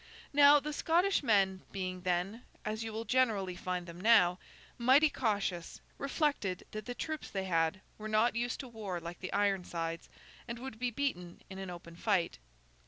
Now, the Scottish men, being then—as you will generally find them now—mighty cautious, reflected that the troops they had were not used to war like the Ironsides, and would be beaten in an open fight.